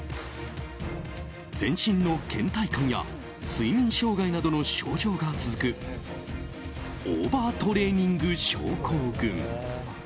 全身の倦怠感や睡眠障害などの症状が続くオーバートレーニング症候群。